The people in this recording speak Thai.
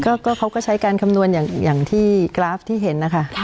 ก็เขาก็ใช้การคำนวณอย่างที่กราฟที่เห็นนะคะ